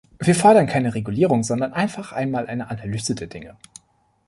Wir fordern keine Regulierung, sondern einfach einmal eine Analyse der Dinge.